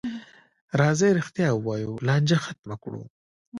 راځئ رښتیا ووایو، لانجه ختمه کړو.